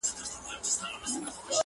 سیاه پوسي ده!! دا دی لا خاندي!!